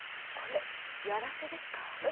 これやらせですか？